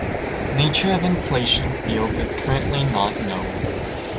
Nature of inflaton field is currently not known.